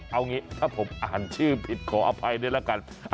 เอางี้ถ้าผมอ่านชื่อผิดขออภัยด้วยละกัน